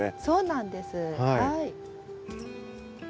そうなんですはい。